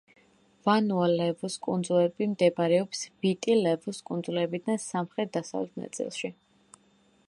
ვანუა-ლევუს კუნძულები მდებარეობს ვიტი-ლევუს კუნძულებიდან სამხრეთ-დასავლეთ ნაწილში.